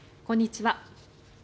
こんにちは。